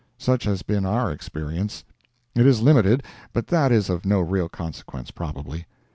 Such has been our experience. It is limited, but that is of no real consequence, probably.